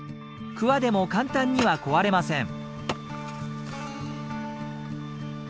クワでも簡単には壊れません。